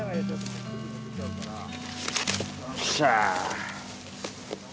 よっしゃあ！